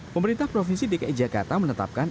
pemerintah provinsi dki jakarta menetapkan